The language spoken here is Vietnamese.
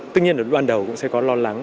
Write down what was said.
tất nhiên ở lúc ban đầu cũng sẽ có lo lắng